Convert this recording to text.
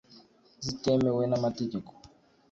zitemewe n’amategeko